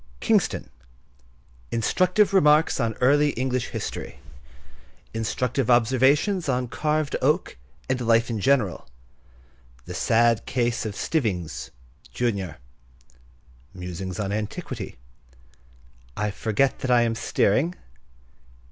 Kingston.—Instructive remarks on early English history.—Instructive observations on carved oak and life in general.—Sad case of Stivvings, junior.—Musings on antiquity.—I forget that I am steering.